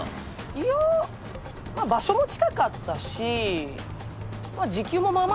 いやまあ場所も近かったしま